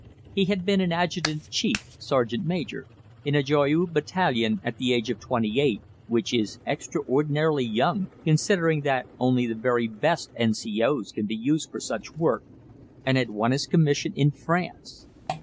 He had been an adjutant chef (sergeant major) in a "Joyeux" battalion at the age of 28, which is extraordinarily young, considering that only the very best N.C.O.'s can be used for such work, and had won his commission in France.